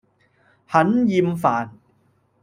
很厭煩